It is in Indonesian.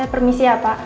kamu bisa komisi ya pak